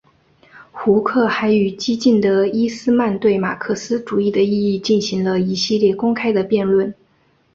胡克还与激进的伊士曼对马克思主义的意义进行了一系列公开的辩论。